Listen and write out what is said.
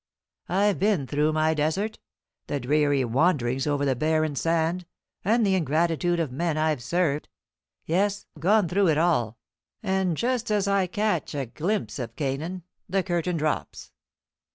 I've been through my desert, the dreary wanderings over the barren sand, and the ingratitude of men I've served. Yes, I've gone through it all; and just as I catch a glimpse of Canaan, the curtain drops."